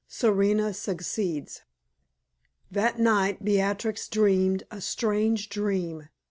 SERENA SUCCEEDS. That night Beatrix dreamed a strange dream.